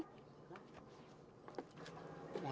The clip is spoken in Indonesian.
masya allah kapan gue berusaha